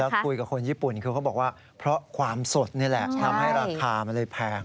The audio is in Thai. แล้วคุยกับคนญี่ปุ่นคือเขาบอกว่าเพราะความสดนี่แหละทำให้ราคามันเลยแพง